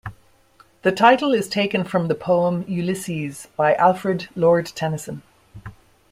The title is taken from the poem "Ulysses", by Alfred Lord Tennyson.